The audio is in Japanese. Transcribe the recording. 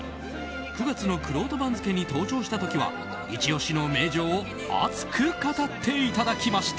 ９月のくろうと番付に登場した時はイチ押しの名城を熱く語っていただきました。